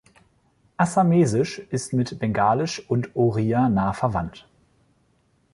Assamesisch ist mit Bengalisch und Oriya nah verwandt.